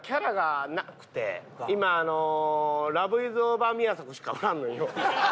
今ラヴ・イズ・オーヴァー宮迫しかおらんのよ。